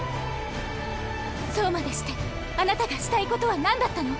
そうまでしてあなたがしたいことはなんだったの？